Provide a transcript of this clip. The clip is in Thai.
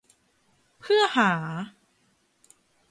เพื่อหา